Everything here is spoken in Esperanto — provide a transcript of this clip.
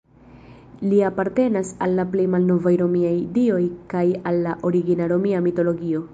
Li apartenas al la plej malnovaj romiaj dioj kaj al la origina romia mitologio.